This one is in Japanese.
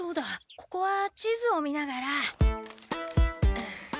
ここは地図を見ながら。